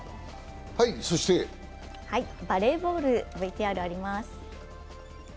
バレーボール、ＶＴＲあります。